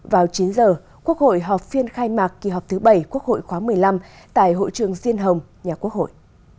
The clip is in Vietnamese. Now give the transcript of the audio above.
vào chín giờ quốc hội họp phiên khai mạc kỳ họp thứ bảy quốc hội khóa một mươi năm tại hội trường diên hồng nhà quốc hội